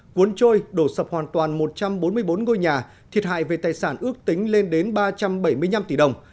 cuốn trôi đổ sập hoàn toàn một trăm bốn mươi bốn ngôi nhà thiệt hại về tài sản ước tính lên đến ba trăm bảy mươi năm tỷ đồng